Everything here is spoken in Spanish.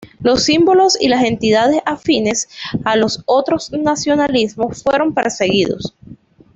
Los símbolos y las entidades afines a los otros nacionalismos fueron perseguidos.